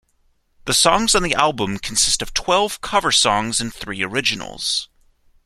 The songs on the album consist of twelve cover songs and three originals.